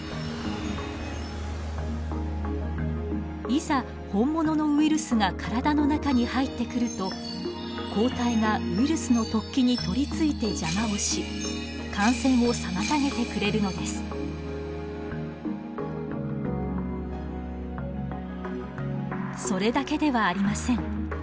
いざ本物のウイルスが体の中に入ってくると抗体がウイルスの突起に取りついて邪魔をしそれだけではありません。